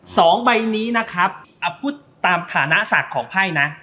สองใบนี้นะครับเอาพูดตามฐานะศักดิ์ของไพ่นะ